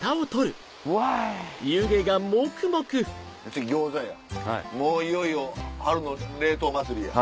次餃子やもういよいよ春の冷凍祭りや。